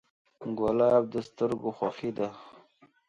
ګلاب د سترګو خوښي ده.